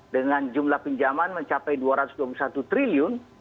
dengan jumlah pinjaman mencapai rp dua ratus dua puluh satu triliun